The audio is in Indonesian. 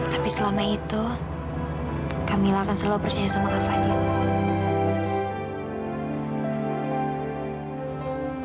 tapi selama itu kamilah akan selalu percaya sama ka fadil